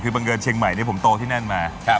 คือบังเอิญเชียงใหม่ผมโตที่นั่นมา